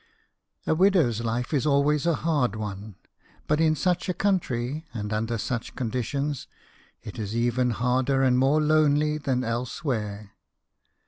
A widow's life is always a hard one, but in such a country and under such conditions it is even harder and more lonely than elsewhere.